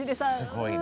すごいね。